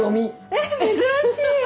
えっ珍しい！